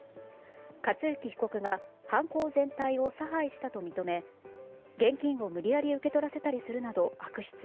克行被告が犯行全体を差配したと認め、現金を無理やり受け取らせたりするなど悪質。